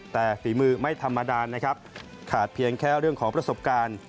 แต่ฝีมือไม่ธรรมดานะครับขาดเพียงแค่เรื่องของประสบการณ์